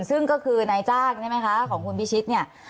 ซึ่งก็คือนายจ้างใช่ไหมคะของคุณพิชิตเนี่ย